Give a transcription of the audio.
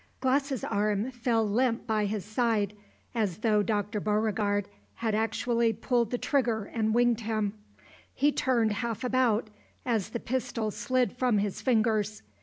Glass's arm fell limp by his side, as though Dr. Beauregard had actually pulled the trigger and winged him. He turned half about as the pistol slid from his fingers.